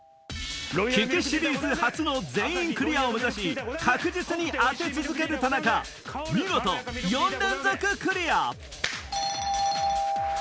ききシリーズ初の全員クリアを目指し確実に当て続ける田中見事４連続クリア！